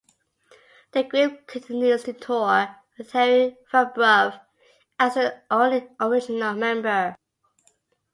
The group continues to tour, with Henry Fambrough as the only original member.